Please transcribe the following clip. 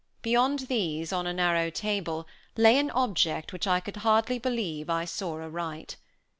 Beyond these, on a narrow table, lay an object which I could hardly believe I saw aright.